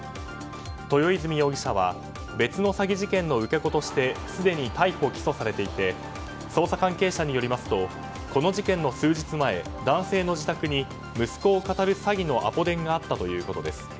豊泉容疑者は別の詐欺事件の受け子としてすでに逮捕・起訴されていて捜査関係者によりますとこの事件の数日前、男性の自宅に息子を語る詐欺のアポ電があったということです。